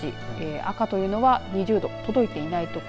赤というのは２０度に届いていない所。